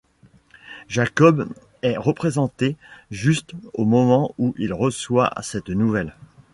Jacob est représenté juste au moment où il reçoit cette nouvelle.